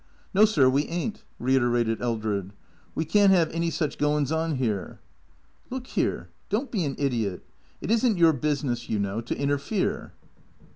" 'No, sir, we ain't," reiterated Eldred. " We can't 'ave any such goin's on 'ere." " Look here — don't be an idiot — it is n't your business, you know, to interfere."